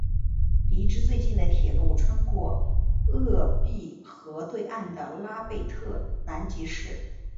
离之最近的铁路穿过鄂毕河对岸的拉贝特南吉市。